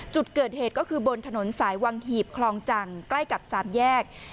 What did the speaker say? จุดเกิดเหตุก็คือบนถนนสายวังหีบคลองจังใกล้กับสามแยก